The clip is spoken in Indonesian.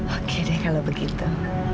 oke deh kalau begitu